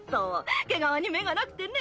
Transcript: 「毛皮に目がなくてね。